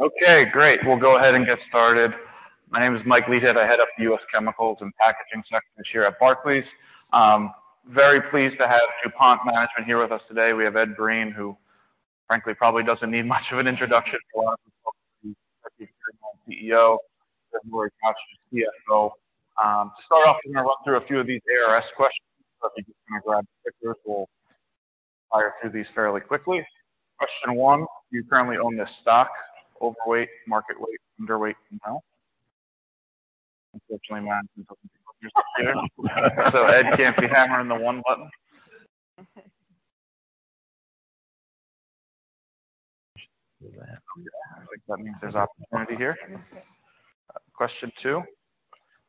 Okay, great. We'll go ahead and get started. My name is Mike Leithead. I head up the U.S. Chemicals and Packaging Sector here at Barclays. Very pleased to have DuPont management here with us today. We have Ed Breen, who frankly probably doesn't need much of an introduction, Executive Chairman and CEO, Lori Koch, CFO. To start off, I'm gonna run through a few of these ARS questions. If you just wanna grab clickers, we'll fire through these fairly quickly. Question one, do you currently own this stock? Overweight, market weight, underweight, no. Unfortunately, Ed can't be hammering the one button. That means there's opportunity here. Question two,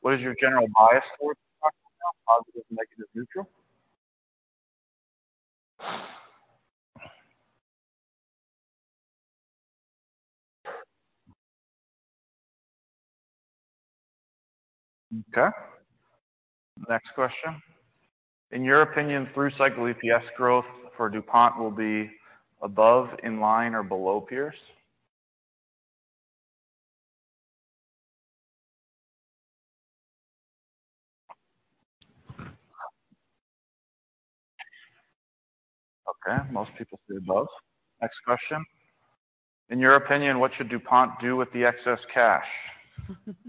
what is your general bias for the stock right now? Positive, negative, neutral. Okay. Next question. In your opinion, through cycle EPS growth for DuPont will be above, in line, or below peers? Okay, most people say above. Next question. In your opinion, what should DuPont do with the excess cash?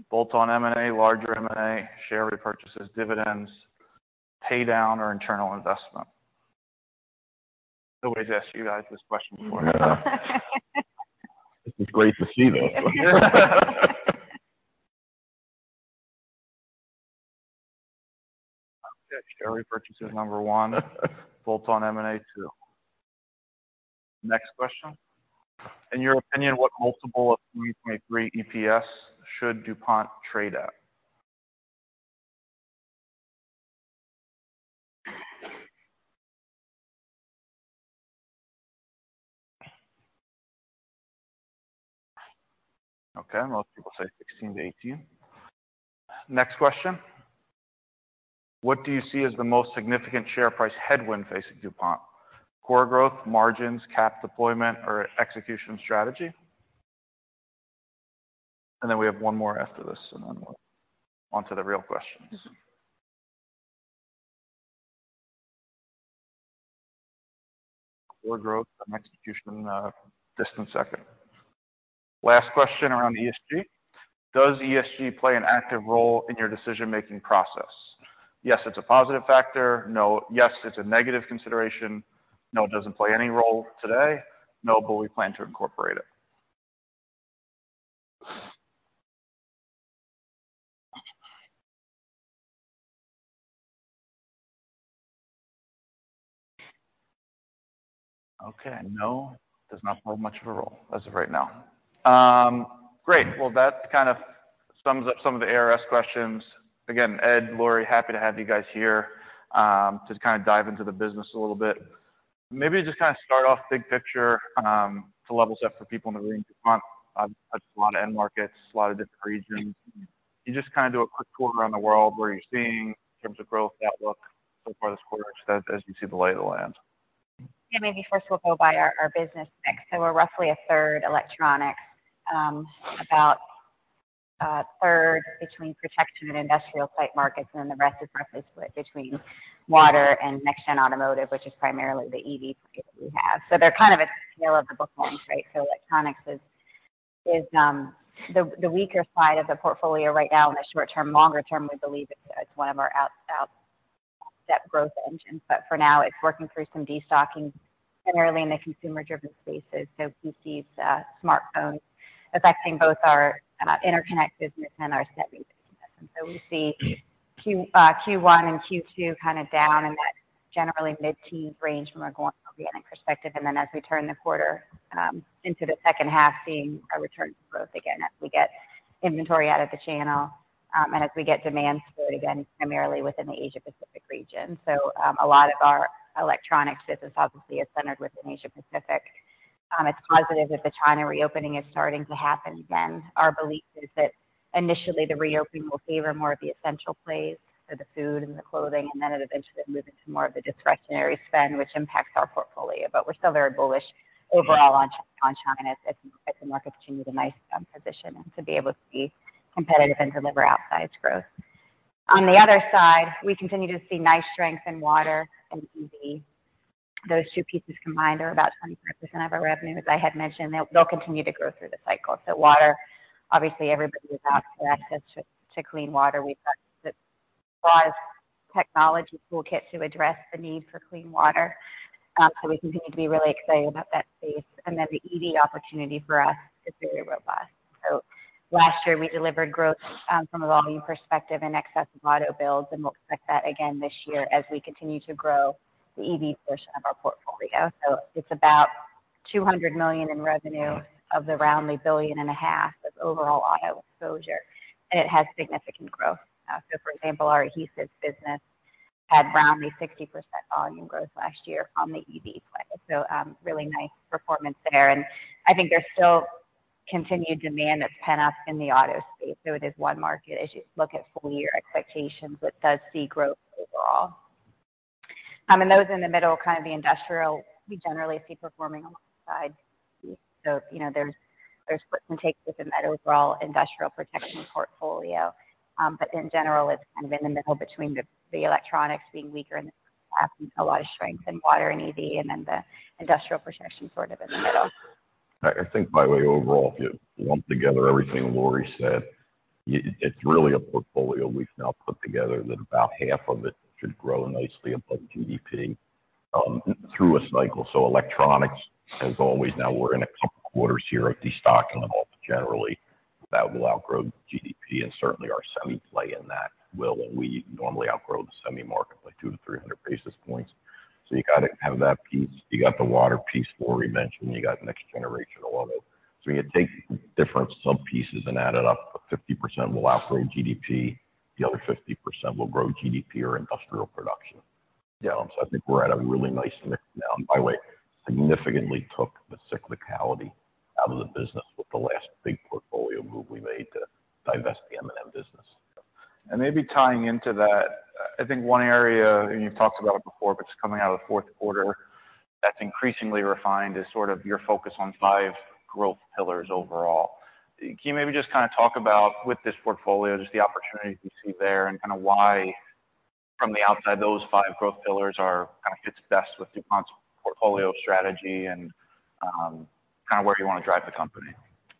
Bolt-on M&A, larger M&A, share repurchases, dividends, pay down, or internal investment. Always ask you guys this question before. It's just great to see those. Okay. Share repurchase is number one, bolt-on M&A two. Next question. In your opinion, what multiple of $3.3 EPS should DuPont trade at? Okay. Most people say 16-18. Next question. What do you see as the most significant share price headwind facing DuPont? Core growth, margins, CapEx deployment, or execution strategy. We have onemore after this, and then we're onto the real questions. Core growth and execution, distant 2nd. Last question around ESG. Does ESG play an active role in your decision-making process? Yes, it's a positive factor. No. Yes, it's a negative consideration. No, it doesn't play any role today. No, but we plan to incorporate it. Okay. No, does not play much of a role as of right now. Great. Well, that kind of sums up some of the ARS questions. Ed, Lori, happy to have you guys here, to kind of dive into the business a little bit. Maybe just kind of start off big picture, to level set for people in the room. DuPont touches a lot of end markets, a lot of different regions. Can you just kind of do a quick tour around the world where you're seeing in terms of growth outlook so far this quarter as you see the lay of the land? Yeah. Maybe first we'll go by our business mix. We're roughly a third Electronics, about a third between Protection and industrial site markets, and then the rest is roughly split between Water and next gen automotive, which is primarily the EV play that we have. They're kind of a scale of the book ones, right? Electronics is the weaker side of the portfolio right now in the short term. Longer term, we believe it's one of our out-step growth engines. For now, it's working through some destocking generally in the consumer-driven spaces. PCs, smartphones affecting both our, Interconnect business and our Semiconductor business. We see Q1 and Q2 kind of down in that generally mid-teen range from a go-forward perspective. Then as we turn the quarter into the second half, seeing a return to growth again as we get inventory out of the channel, and as we get demand smooth again, primarily within the Asia Pacific region. A lot of our electronics business obviously is centered within Asia Pacific. It's positive that the China reopening is starting to happen. Again, our belief is that initially the reopening will favor more of the essential plays. So the food and the clothing, and then it eventually move into more of the discretionary spend, which impacts our portfolio. We're still very bullish overall on China as the market continues a nice position and to be able to be competitive and deliver outsized growth. On the other side, we continue to see nice strength in water and EV. Those two pieces combined are about 25% of our revenue. As I had mentioned, they'll continue to grow through the cycle. Water, obviously, everybody without access to clean water. We've got this broad technology toolkit to address the need for clean water. We continue to be really excited about that space. The EV opportunity for us is very robust. Last year, we delivered growth from a volume perspective in excess of auto builds, and we'll expect that again this year as we continue to grow the EV portion of our portfolio. It's about $200 million in revenue of the roundly billion and a half of overall auto exposure, and it has significant growth. For example, our adhesives business had roundly 60% volume growth last year on the EV play. Really nice performance there. I think there's still continued demand that's pent up in the auto space. It is one market as you look at full year expectations, that does see growth overall. Those in the middle, kind of the industrial, we generally see performing alongside. You know, there's puts and takes with the net overall industrial protection portfolio. But in general, it's kind of in the middle between the Electronics being weaker and a lot of strength in water and EV, and then the industrial protection sort of in the middle. I think, by the way, overall, if you lump together everything Lori said, it's really a portfolio we've now put together that about half of it should grow nicely above GDP through a cycle. Electronics, as always, now we're in a couple quarters here of destocking, but generally, that will outgrow GDP, and certainly our semi play in that will. We normally outgrow the semi market by 200-300 basis points. You gotta have that piece. You got the water piece Lori mentioned, you got next generational of it. You take different sub pieces and add it up, 50% will outgrow GDP, the other 50% will grow GDP or industrial production. Yeah. I think we're at a really nice mix now. By the way, significantly took the cyclicality out of the business with the last big portfolio move we made to divest the M&M business. Maybe tying into that, I think one area, and you've talked about it before, but it's coming out of the fourth quarter that's increasingly refined, is sort of your focus on five growth pillars overall. Can you maybe just kind of talk about, with this portfolio, just the opportunities you see there and kinda why from the outside, those five growth pillars are, kinda fits best with DuPont's portfolio strategy and kinda where you wanna drive the company?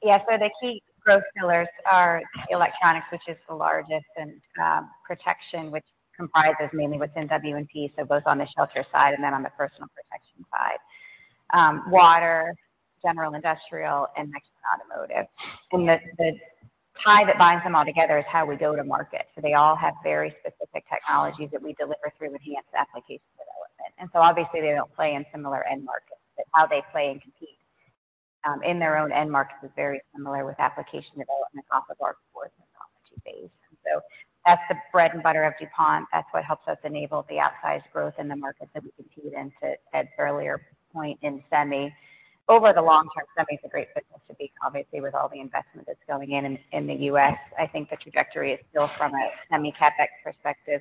The key growth pillars are electronics, which is the largest, and protection, which comprises mainly within W&P, both on the shelter side and on the personal protection side. Water, general industrial, and next gen automotive. The tie that binds them all together is how we go to market. They all have very specific technologies that we deliver through enhanced application development. Obviously, they don't play in similar end markets, but how they play and compete in their own end markets is very similar with application development off of our core technology base. That's the bread and butter of DuPont. That's what helps us enable the outsized growth in the markets that we compete in, to Ed's earlier point in semi. Over the long term, semi's a great business to be, obviously, with all the investment that's going in the U.S. I think the trajectory is still from a semi CapEx perspective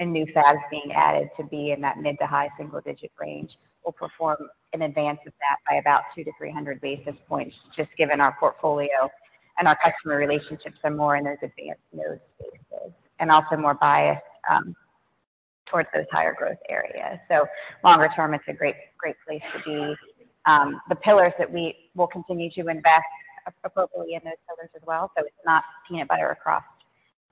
and new fabs being added to be in that mid to high single-digit range, will perform in advance of that by about 200-300 basis points, just given our portfolio and our customer relationships are more in those advanced node spaces, and also more biased towards those higher growth areas. Longer term, it's a great place to be. The pillars that we will continue to invest appropriately in those pillars as well, so it's not peanut butter across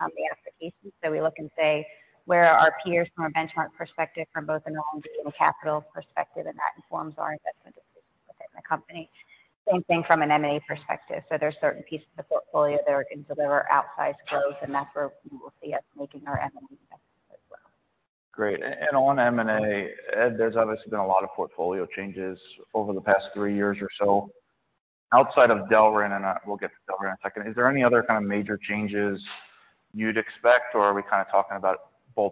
the applications. We look and say, where are our peers from a benchmark perspective, from both an R&D and a capital perspective, and that informs our investment decisions within the company. Same thing from an M&A perspective. There's certain pieces of the portfolio that are gonna deliver outsized growth, that's where you will see us making our M&A bets as well. Great. On M&A, Ed, there's obviously been a lot of portfolio changes over the past three years or so. Outside of Delrin, we'll get to Delrin in a second, is there any other kind of major changes you'd expect, or are we kinda talking about bolt-ons or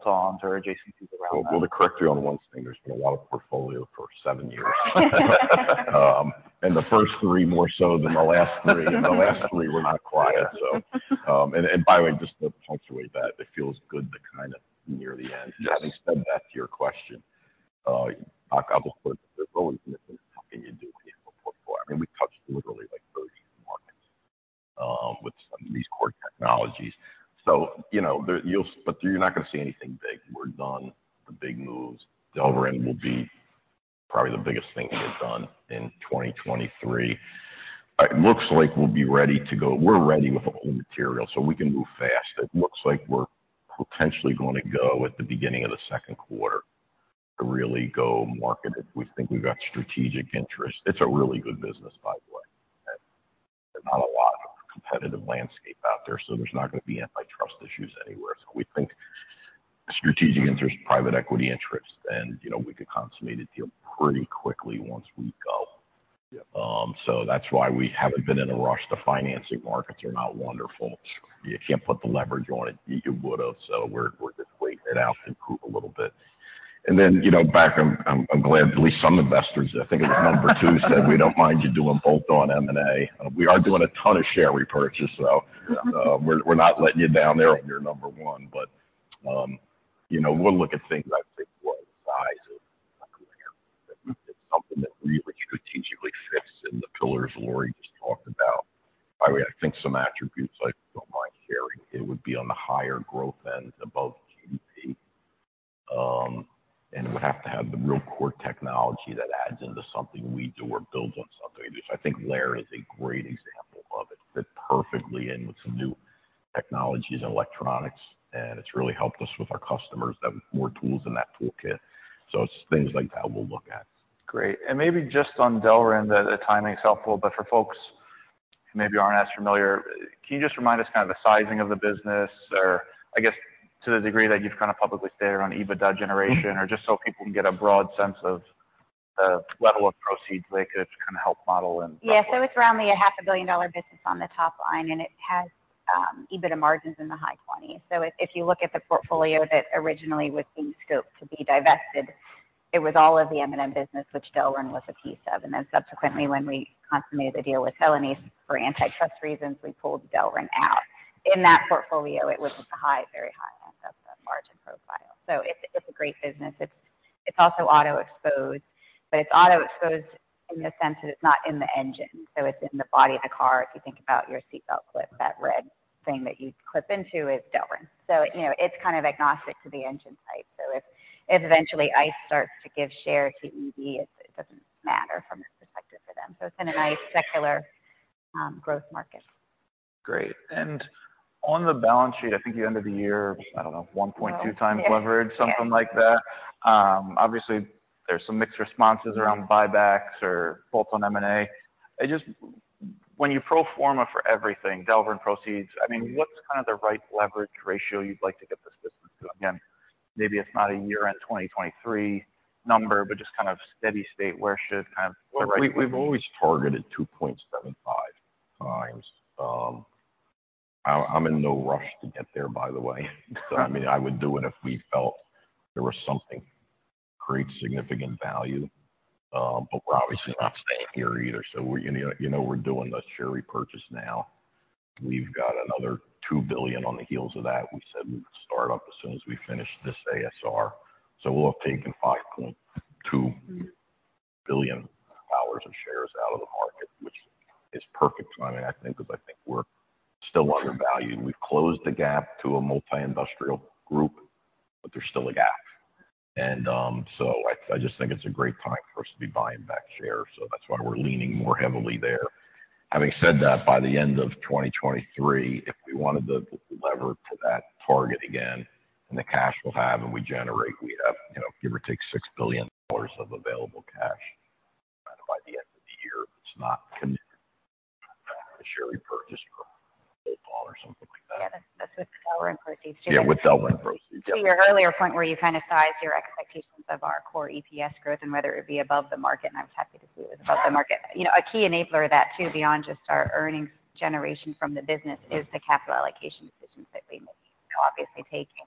adjacencies around that? Well, to correct you on one thing, there's been a lot of portfolio for seven years. The first three more so than the last three. The last three were kind of quiet, so. By the way, just to punctuate that, it feels good to kind of be near the end. Having said that, to your question, I will put there's always something you do when you have a portfolio. I mean, we've touched literally like 30 markets, with some of these core technologies. You know, but you're not gonna see anything big. We're done with the big moves. Delrin will be probably the biggest thing to get done in 2023. It looks like we'll be ready to go. We're ready with all the material, so we can move fast. It looks like we're potentially gonna go at the beginning of the second quarter to really go market it. We think we've got strategic interest. It's a really good business, by the way. There's not a lot of competitive landscape out there, so there's not gonna be antitrust issues anywhere. We think strategic interest, private equity interest, and, you know, we could consummate a deal pretty quickly once we go. That's why we haven't been in a rush. The financing markets are not wonderful. You can't put the leverage on it you would've. We're just waiting it out to improve a little bit. You know, back, I'm glad at least some investors, I think it was number two, said, "We don't mind you doing bolt-on M&A." We are doing a ton of share repurchase, so we're not letting you down there on your number one. You know, we'll look at things, I'd say, what size of like a Lear. It's something that really strategically fits in the pillars Lori just talked about. By the way, I think some attributes I don't mind sharing, it would be on the higher growth end above GDP. It would have to have the real core technology that adds into something we do or builds on something. I think Lear is a great example of it, fit perfectly in with some new technologies and electronics, and it's really helped us with our customers to have more tools in that toolkit. It's things like that we'll look at. Great. Maybe just on Delrin, the timing's helpful, but for folks who maybe aren't as familiar, can you just remind us kind of the sizing of the business? Or I guess to the degree that you've kind of publicly stated around EBITDA generation or just so people can get a broad sense of the level of proceeds they could kind of help model? Yeah. It's around a $500 million business on the top line, and it has EBITDA margins in the high 20s. If you look at the portfolio that originally was being scoped to be divested, it was all of the M&M business, which Delrin was a piece of. Subsequently, when we consummated the deal with Celanese for antitrust reasons, we pulled Delrin out. In that portfolio, it was at the high, very high end. Margin profile. It's a great business. It's also auto exposed, it's auto-exposed in the sense that it's not in the engine, it's in the body of the car. If you think about your seatbelt clip, that red thing that you clip into is Delrin. You know, it's kind of agnostic to the engine type. If eventually ICE starts to give share to EV, it doesn't matter from this perspective for them. It's been a nice secular growth market. Great. On the balance sheet, I think at the end of the year, I don't know, 1.2x leverage, something like that. Obviously there's some mixed responses around buybacks or bolt-on M&A. When you pro forma for everything, Delrin proceeds, I mean, what's kind of the right leverage ratio you'd like to get this business to? Again, maybe it's not a year-end 2023 number, but just kind of steady state, where should kind of the right. Well, we've always targeted 2.75x. I'm in no rush to get there, by the way. I mean, I would do it if we felt there was something create significant value. We're obviously not staying here either. You know, we're doing the share repurchase now. We've got another $2 billion on the heels of that. We said we would start up as soon as we finish this ASR. We'll have taken $5.2 billion of shares out of the market, which is perfect timing, I think, because I think we're still undervalued. We've closed the gap to a multi-industrial group, but there's still a gap. I just think it's a great time for us to be buying back shares. That's why we're leaning more heavily there. Having said that, by the end of 2023, if we wanted to lever to that target again, and the cash we'll have and we generate, we'd have, you know, give or take $6 billion of available cash by the end of the year. It's not committed to share repurchase or football or something like that. Yeah, that's with Delrin proceeds too. Yeah, with Delrin proceeds, yeah. To your earlier point where you kind of sized your expectations of our core EPS growth and whether it'd be above the market, I was happy to see it was above the market. You know, a key enabler of that too, beyond just our earnings generation from the business, is the capital allocation decisions that we make. You know, obviously taking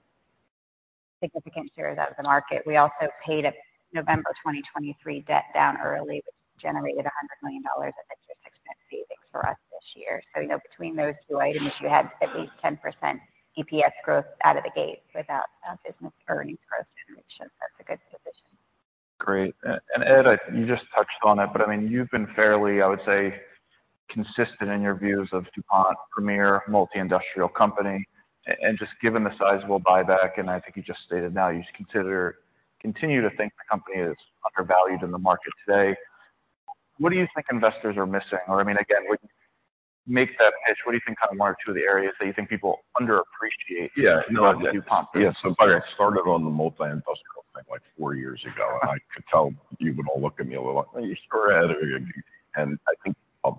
significant shares out of the market. We also paid a November 2023 debt down early, which generated $100 million of interest expense savings for us this year. You know, between those two items, you had at least 10% EPS growth out of the gate without business earnings growth generation. That's a good position. Great. Ed, you just touched on it, but I mean, you've been fairly, I would say, consistent in your views of DuPont premier multi-industrial company just given the sizable buyback, and I think you just stated now you continue to think the company is undervalued in the market today. What do you think investors are missing? Or I mean, again, make that pitch. What do you think kind of marks are the areas that you think people underappreciate about DuPont business? Yeah. I started on the multi-industrial thing, like four years ago. I could tell you would all look at me a little like, "Are you sure, Ed?" I think a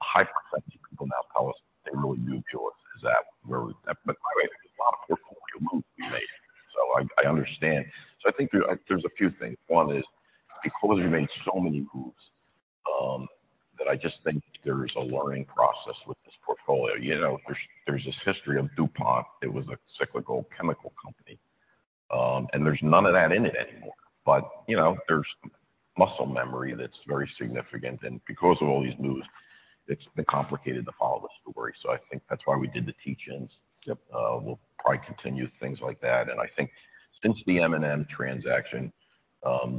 high percentage of people now tell us they really knew the choice is. By the way, there's a lot of portfolio moves we made. I understand. I think there's a few things. One is, because we made so many moves, I just think there is a learning process with this portfolio. You know, there's this history of DuPont. It was a cyclical chemical company. There's none of that in it anymore. You know, there's muscle memory that's very significant. Because of all these moves, it's been complicated to follow the story. I think that's why we did the teach-in. Yep. We'll probably continue things like that. I think since the M&M transaction,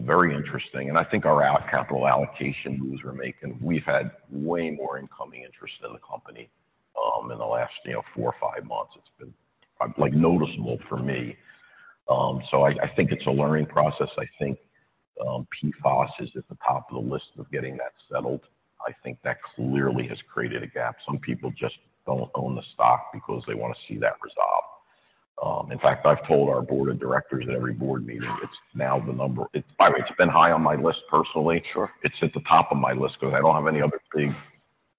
very interesting. I think our capital allocation moves we're making, we've had way more incoming interest in the company, in the last, you know, four or five months. It's been like noticeable for me. So I think it's a learning process. I think PFAS is at the top of the list of getting that settled. I think that clearly has created a gap. Some people just don't own the stock because they wanna see that resolved. In fact, I've told our board of directors at every board meeting, it's now the number. By the way, it's been high on my list personally. Sure. It's at the top of my list because I don't have any other big,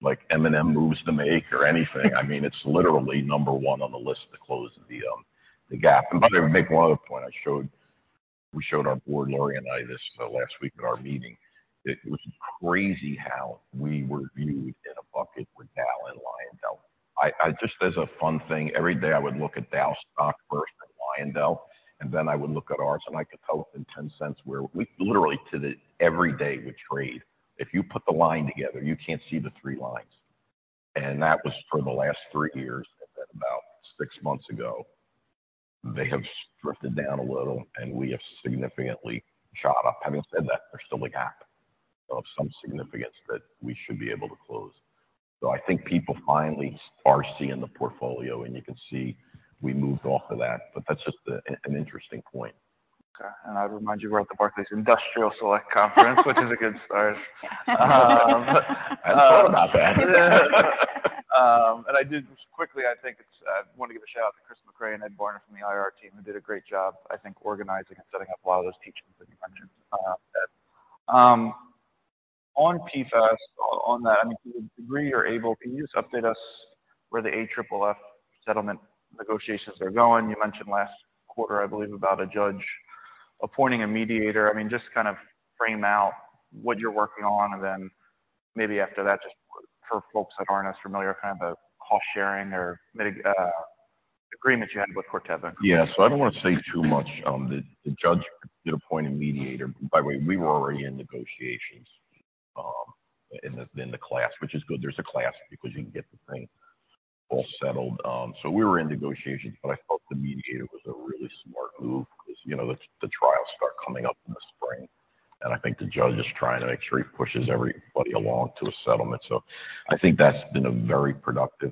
like M&M moves to make or anything. I mean, it's literally number one on the list to close the gap. By the way, make 1 other point. We showed our board, Lori and I, this last week at our meeting. It was crazy how we were viewed in a bucket with Dow and Lyondell. I just as a fun thing, every day, I would look at Dow stock first, then Lyondell, and then I would look at ours, and I could tell within $0.10 where we literally to the every day would trade. If you put the line together, you can't see the 3 lines. That was for the last three years. About six months ago, they have drifted down a little, and we have significantly shot up. Having said that, there's still a gap of some significance that we should be able to close. I think people finally are seeing the portfolio, and you can see we moved off of that. That's just an interesting point. Okay. I remind you, we're at the Barclays Industrial Select Conference, which is a good start. I thought about that. I did just quickly, I think it's, wanna give a shout-out to Chris Mecray and Ed Breen from the IR team who did a great job, I think, organizing and setting up a lot of those teach-ins that you mentioned, Ed. On PFAS, on that, I mean, to the degree you're able, can you just update us where the AFFF settlement negotiations are going? You mentioned last quarter, I believe, about a judge appointing a mediator. I mean, just to kind of frame out what you're working on. Then maybe after that, just for folks that aren't as familiar, kind of the cost sharing or agreements you had with Corteva. Yeah. I don't wanna say too much. The judge did appoint a mediator. By the way, we were already in negotiations, In the class, which is good. There's a class because you can get the thing all settled. We were in negotiations, but I felt the mediator was a really smart move because, you know, the trials start coming up in the spring, and I think the judge is trying to make sure he pushes everybody along to a settlement. I think that's been a very productive,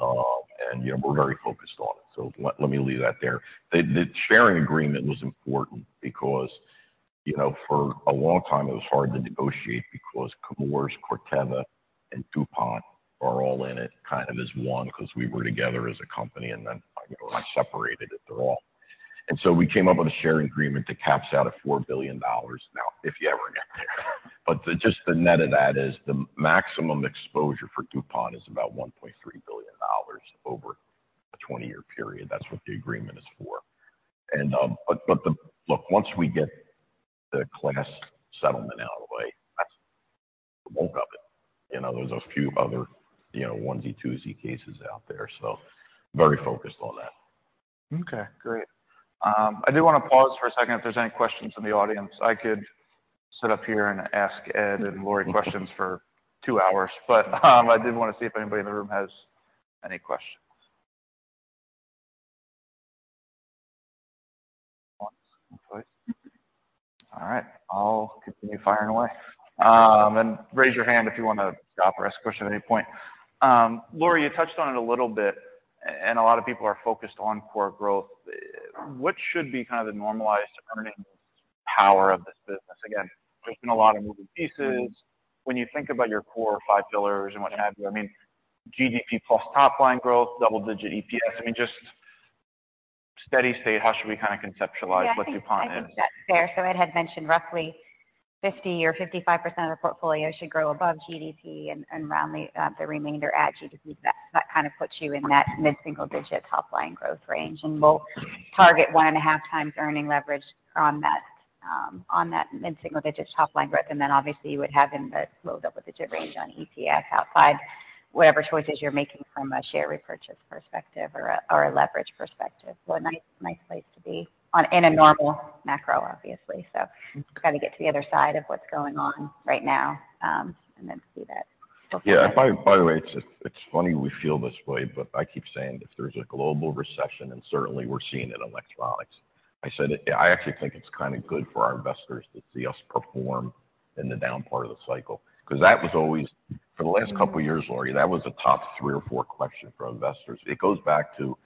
and, you know, we're very focused on it. Let, let me leave that there. The sharing agreement was important because, you know, for a long time it was hard to negotiate because Chemours, Corteva and DuPont are all in it kind of as one, because we were together as a company and then, you know, when I separated it, they're all. We came up with a share agreement that caps out at $4 billion. Now, if you ever get there. But just the net of that is the maximum exposure for DuPont is about $1.3 billion over a 20-year period. That's what the agreement is for. Look, once we get the class settlement out of the way, that's the bulk of it. You know, there's a few other, you know, onesie, twosie cases out there, so very focused on that. Okay, great. I do want to pause for a second if there's any questions from the audience. I could sit up here and ask Ed and Lori questions for two hours. I did want to see if anybody in the room has any questions. Once in place. All right, I'll continue firing away. Raise your hand if you want to stop or ask a question at any point. Lori, you touched on it a little bit. A lot of people are focused on core growth. What should be kind of the normalized earnings power of this business? Again, there's been a lot of moving pieces. When you think about your core 5 pillars and what have you, I mean, GDP plus top line growth, double-digit EPS. I mean, just steady state, how should we kind of conceptualize what DuPont is? Yeah, I think that's fair. Ed had mentioned roughly 50% or 55% of the portfolio should grow above GDP and around the remainder at GDP. That kind of puts you in that mid-single digit top line growth range. We'll target 1.5x earnings leverage on that mid-single digit top line growth. Obviously you would have in the low double-digit range on EPS outside whatever choices you're making from a share repurchase perspective or a leverage perspective. A nice place to be on, in a normal macro, obviously. Got to get to the other side of what's going on right now, and then see that. Yeah. By the way, it's funny we feel this way, I keep saying if there's a global recession, certainly we're seeing it in Electronics. I said I actually think it's kind of good for our investors to see us perform in the down part of the cycle, because that was always for the last two years, Lori, that was a top three or four question for investors. It goes back to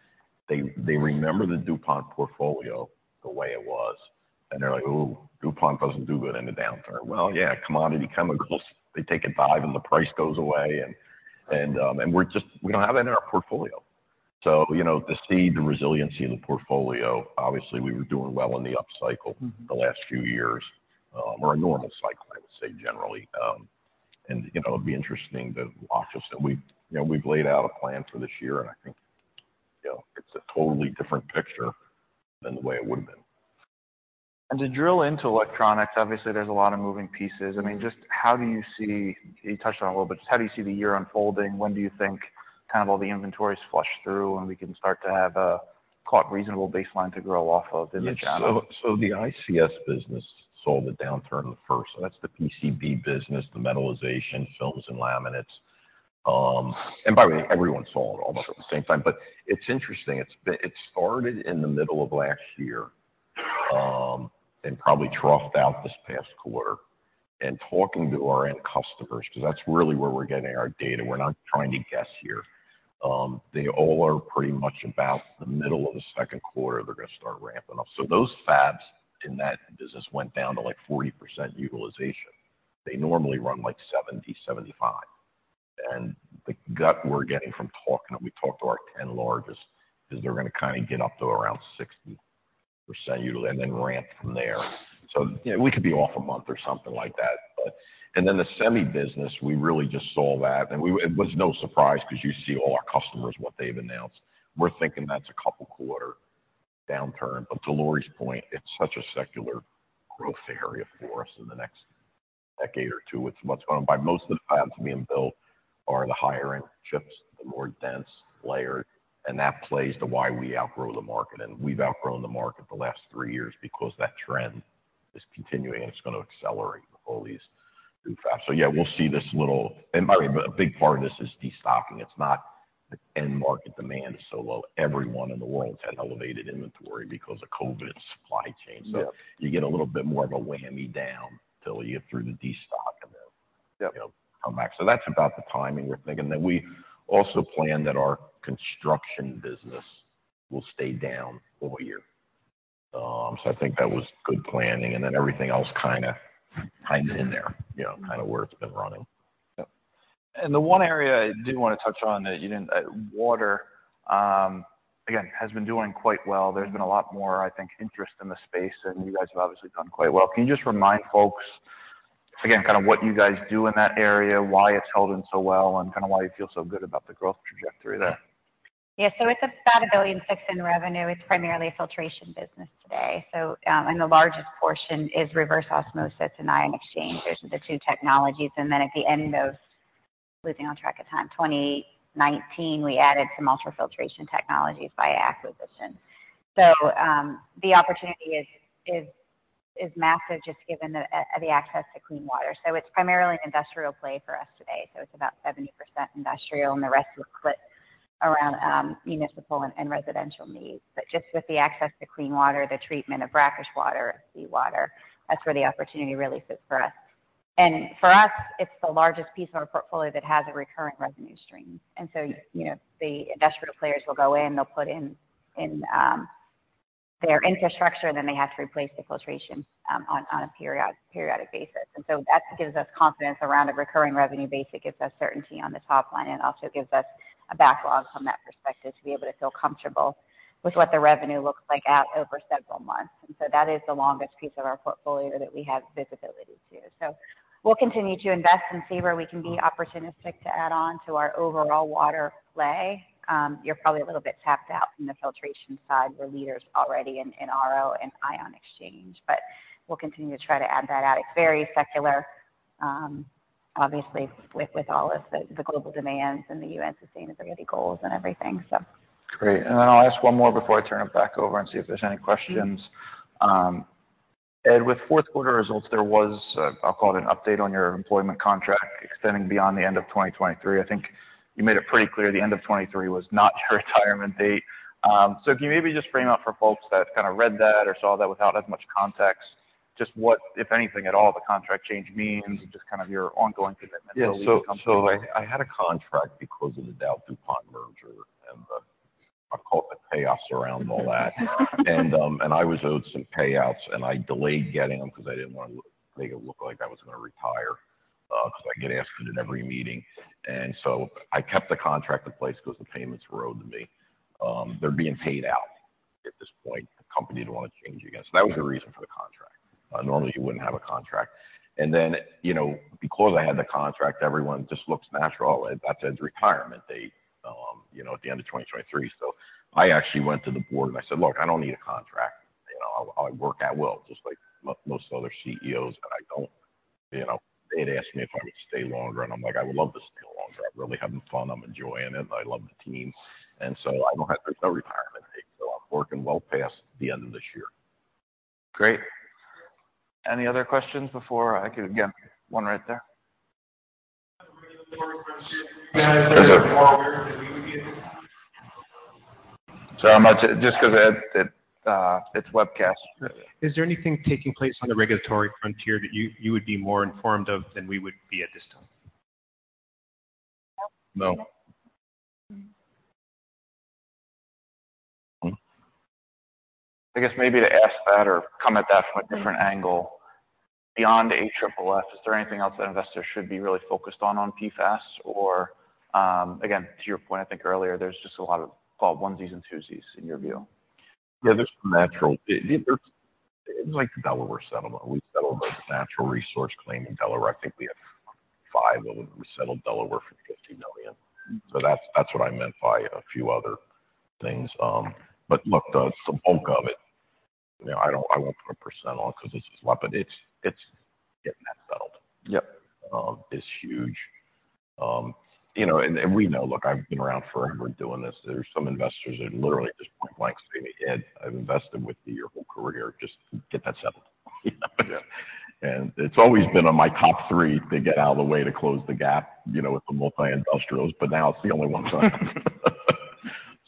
they remember the DuPont portfolio the way it was, they're like, "Ooh, DuPont doesn't do good in a downturn." Well, yeah, commodity chemicals, they take a dive the price goes away we don't have that in our portfolio. You know, the speed and resiliency of the portfolio. Obviously, we were doing well in the upcycle the last few years, or a normal cycle, I would say generally. You know, it'll be interesting to watch this. We've, you know, we've laid out a plan for this year, and I think, you know, it's a totally different picture than the way it would have been. To drill into Electronics, obviously there's a lot of moving pieces. I mean, you touched on it a little bit, just how do you see the year unfolding? When do you think kind of all the inventory is flushed through and we can start to have a quite reasonable baseline to grow off of in the channel? Yeah. The ICS business saw the downturn first. That's the PCB business, the metalization films and laminates. By the way, everyone saw it almost at the same time. It's interesting, it started in the middle of last year, probably troughed out this past quarter. Talking to our end customers, because that's really where we're getting our data. We're not trying to guess here. They all are pretty much about the middle of the second quarter, they're gonna start ramping up. Those fabs in that business went down to like 40% utilization. They normally run like 70%, 75%. The gut we're getting from talking, and we talk to our 10 largest, is they're gonna kind of get up to around 60% and then ramp from there. You know, we could be off a month or something like that. Then the semi business, we really just saw that, it was no surprise because you see all our customers, what they've announced. We're thinking that's a couple quarter downturn. To Lori's point, it's such a secular growth area for us in the next decade or two. It's what's going on. By most of the fabs being built are the higher-end chips, the more dense layered. That plays to why we outgrow the market. We've outgrown the market the last three years because that trend is continuing, and it's going to accelerate with all these new fabs. Yeah, we'll see this little. By the way, a big part of this is destocking. It's not the end market demand is so low. Everyone in the world's had elevated inventory because of COVID and supply chain. You get a little bit more of a whammy down till you get through the destock. Yeah. That's about the timing we're thinking. We also plan that our construction business will stay down for a year. I think that was good planning. Everything else kinda in there, you know, kind of where it's been running. Yep. The one area I did want to touch on that you didn't, Water, again, has been doing quite well. There's been a lot more, I think, interest in the space, and you guys have obviously done quite well. Can you just remind folks again, kind of what you guys do in that area, why it's held in so well, and kind of why you feel so good about the growth trajectory there? Yeah. It's about $1.6 billion in revenue. It's primarily a filtration business today. The largest portion is reverse osmosis and ion exchangers are the two technologies. At the end of 2019, we added some ultrafiltration technologies via acquisition. The opportunity is massive, just given the access to clean water. It's primarily an industrial play for us today. It's about 70% industrial, and the rest is split around municipal and residential needs. Just with the access to clean water, the treatment of brackish water, sea water, that's where the opportunity really sits for us. For us, it's the largest piece of our portfolio that has a recurrent revenue stream. You know, the industrial players will go in, they'll put in their infrastructure, then they have to replace the filtration on a periodic basis. That gives us confidence around a recurring revenue basis. It's a certainty on the top line, and also gives us a backlog from that perspective to be able to feel comfortable with what the revenue looks like at over several months. That is the longest piece of our portfolio that we have visibility to. We'll continue to invest and see where we can be opportunistic to add on to our overall water play. You're probably a little bit tapped out from the filtration side. We're leaders already in RO and ion exchange, but we'll continue to try to add that out. It's very secular, obviously with all of the global demands and the UN sustainability goals and everything, so. Great. I'll ask one more before I turn it back over and see if there's any questions. Ed, with fourth quarter results, there was, I'll call it an update on your employment contract extending beyond the end of 2023. I think you made it pretty clear the end of 2023 was not your retirement date. Can you maybe just frame out for folks that kind of read that or saw that without as much context, just what, if anything at all, the contract change means, and just kind of your ongoing commitment to the company? I had a contract because of the DowDuPont merger and the, I'll call it the payoffs around all that. I was owed some payouts, and I delayed getting them because I didn't want to make it look like I was gonna retire because I get asked it in every meeting. I kept the contract in place because the payments were owed to me. They're being paid out at this point. The company didn't want to change again. That was the reason for the contract. Normally you wouldn't have a contract. You know, because I had the contract, everyone just looks natural. That's Ed's retirement date, you know, at the end of 2023. I actually went to the board and I said, "Look, I don't need a contract. You know, I'll work at will, just like most other CEOs. I don't..." You know, they'd asked me if I would stay longer. I'm like, "I would love to stay longer. I'm really having fun. I'm enjoying it. I love the team." There's no retirement date. I'm working well past the end of this year. Great. Any other questions before I could... Again, one right there. Sorry, I'm not... Just because it's webcast. Is there anything taking place on the regulatory frontier that you would be more informed of than we would be at this time? No. I guess maybe to ask that or come at that from a different angle, beyond AFFF, is there anything else that investors should be really focused on PFAS or, again, to your point, I think earlier, there's just a lot of call it onesies and twosies in your view? Yeah, there's natural. There's like the Delaware settlement. We settled a natural resource claim in Delaware. I think we had five of them. We settled Delaware for $50 million. That's what I meant by a few other things. Look, the bulk of it, you know, I won't put a percent on it because it's a lot, but it's getting that settled. Yep. Is huge. You know, and we know. Look, I've been around forever doing this. There's some investors that literally just point blank say to me, "Ed, I've invested with you your whole career. Just get that settled. It's always been on my top three to get out of the way to close the gap, you know, with the multi-industrials, but now it's the only one,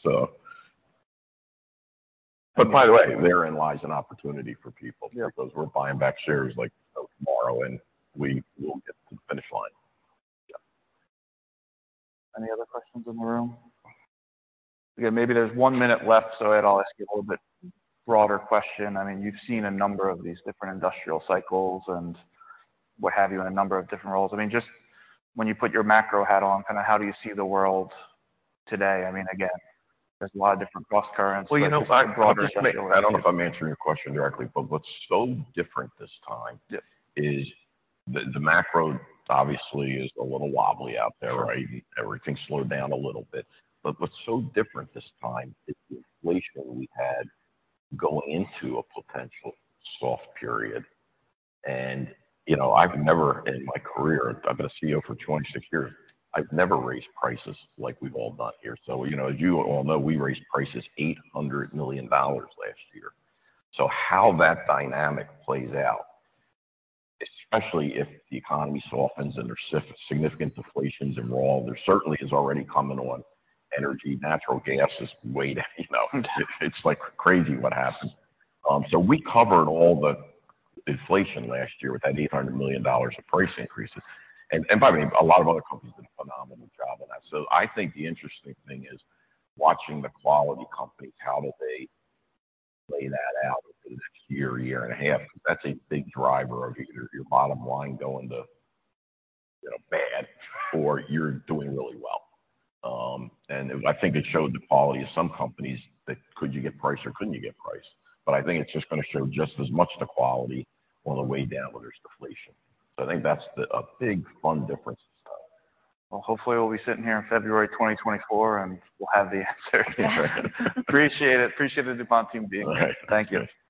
so. By the way, therein lies an opportunity for people. We're buying back shares like tomorrow, and we will get to the finish line. Yeah. Any other questions in the room? Again, maybe there's one minute left, so Ed, I'll ask you a little bit broader question. I mean, you've seen a number of these different industrial cycles and what have you in a number of different roles. I mean, just when you put your macro hat on, kind of how do you see the world today? I mean, again, there's a lot of different cross currents. Well, you know, I don't know if I'm answering your question directly, but what's so different this time is the macro obviously is a little wobbly out there, right? Everything's slowed down a little bit. What's so different this time is the inflation we had going into a potential soft period. You know, I've never in my career, I've been a CEO for 26 years, I've never raised prices like we've all done here. You know, as you all know, we raised prices $800 million last year. How that dynamic plays out, especially if the economy softens and there's significant deflations in raw, there certainly is already coming on energy. Natural gas is way down, you know. It's like crazy what happens. So we covered all the inflation last year with that $800 million of price increases. And by the way, a lot of other companies did a phenomenal job on that. I think the interesting thing is watching the quality companies, how do they lay that out over the next year and a half? Because that's a big driver of your bottom line going to, you know, bad or you're doing really well. I think it showed the quality of some companies that could you get price or couldn't you get price. I think it's just gonna show just as much the quality on the way down when there's deflation. I think that's a big fun difference this time. Hopefully we'll be sitting here in February 2024, and we'll have the answer. Appreciate it. Appreciate the DuPont team being here. Thank you.